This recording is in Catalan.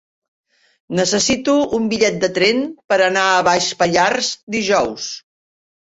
Necessito un bitllet de tren per anar a Baix Pallars dijous.